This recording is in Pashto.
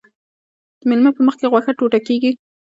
د میلمه په مخکې غوښه ټوټه کیږي.